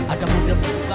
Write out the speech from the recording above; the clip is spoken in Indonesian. ada mobil berbuka